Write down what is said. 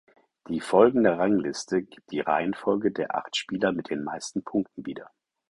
Die folgende Rangliste gibt die Reihenfolge der acht Spieler mit den meisten Punkten wieder.